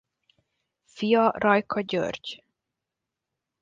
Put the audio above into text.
Fia Rajka György.